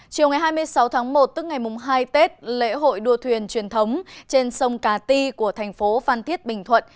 chiều ngày hai mươi sáu tháng một tức ngày hai tết lễ hội đua thuyền truyền thống trên sông cà ti của thành phố phan thiết bình thuận